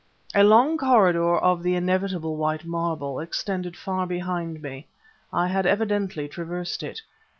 A long corridor of the inevitable white marble extended far behind me. I had evidently traversed it.